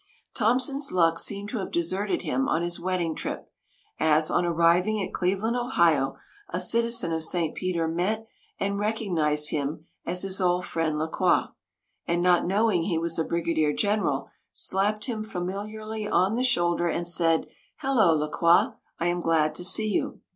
Thompson's luck seemed to have deserted him on his wedding trip, as, on arriving at Cleveland, Ohio, a citizen of St. Peter met and recognized him as his old friend La Croix, and not knowing he was a brigadier general slapped him familiarly on the shoulder and said: "Hello, La Croix; I am glad to see you."